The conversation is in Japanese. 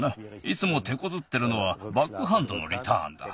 いつもてこずってるのはバックハンドのリターンだ。